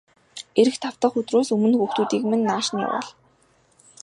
Ирэх тав дахь өдрөөс өмнө хүүхдүүдийг минь нааш нь явуул.